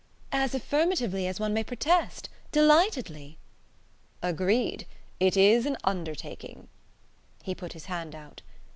"As affirmatively as one may protest. Delightedly." "Agreed. It is an undertaking." He put his hand out.